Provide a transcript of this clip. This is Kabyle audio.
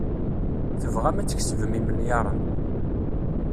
Tebɣam ad tkesbem imelyaṛen.